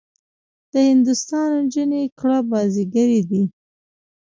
د هندوستان نجونې کړه بازيګرې دي.